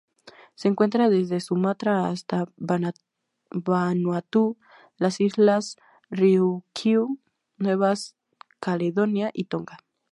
Se encuentra desde Sumatra hasta Vanuatu, las Islas Ryukyu, Nueva Caledonia y Tonga.